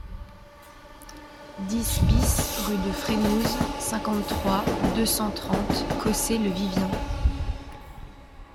dix BIS rue de Frénouse, cinquante-trois, deux cent trente, Cossé-le-Vivien